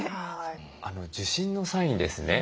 受診の際にですね